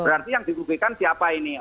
berarti yang dibuktikan siapa ini